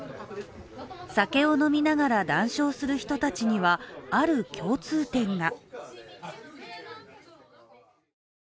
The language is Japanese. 酒を飲みながら談笑する人たちには、ある共通点が。